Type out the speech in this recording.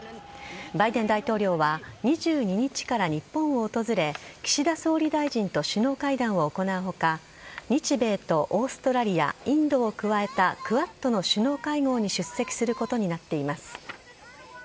バイデン大統領は２２日から日本を訪れ岸田総理大臣と首脳会談を行う他日米とオーストラリアインドを加えたクアッドの首脳会合に出席することになっています。